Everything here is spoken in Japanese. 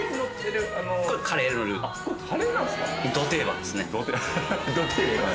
これカレーなんですか。